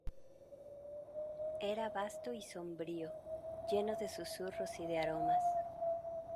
era vasto y sombrío, lleno de susurros y de aromas.